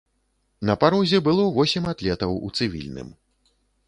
На парозе было восем атлетаў у цывільным.